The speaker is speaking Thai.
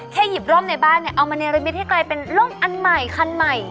แค่หยิบร่มในบ้านเอามาในระเบียบให้เป็นร่มอันใหม่คันใหม่